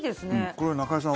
これ、中居さん